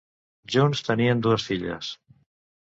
Junts, tenien dues filles.